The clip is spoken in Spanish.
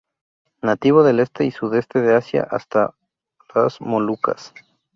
Nativo del este y sudeste de Asia hasta las Molucas.